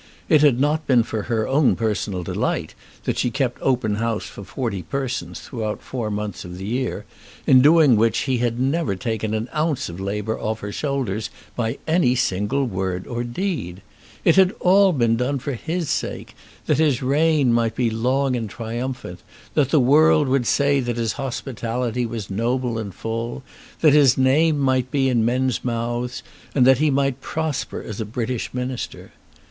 It had not been for her own personal delight that she had kept open house for forty persons throughout four months of the year, in doing which he had never taken an ounce of the labour off her shoulders by any single word or deed! It had all been done for his sake, that his reign might be long and triumphant, that the world might say that his hospitality was noble and full, that his name might be in men's mouths, and that he might prosper as a British Minister.